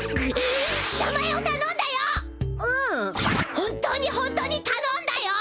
本当に本当にたのんだよ！